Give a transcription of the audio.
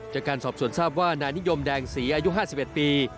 จากการสอบสวนทราบว่านายนิยมแดงศรีอายุ๕๑ปี